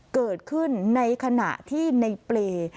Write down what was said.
เกิดขึ้นในขณะที่ในเปรย์